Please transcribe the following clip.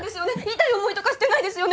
痛い思いとかしてないですよね？